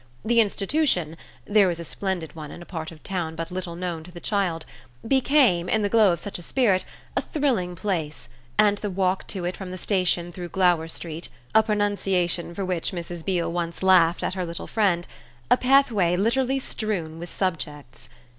The institution there was a splendid one in a part of the town but little known to the child became, in the glow of such a spirit, a thrilling place, and the walk to it from the station through Glower Street (a pronunciation for which Mrs. Beale once laughed at her little friend) a pathway literally strewn with "subjects."